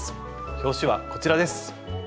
表紙はこちらです。